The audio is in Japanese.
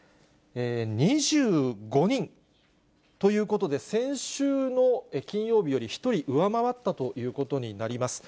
２５人ということで、先週の金曜日より１人上回ったということになります。